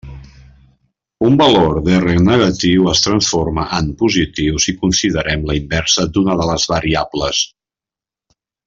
Un valor de R negatiu es transforma en positiu si considerem la inversa d'una de les variables.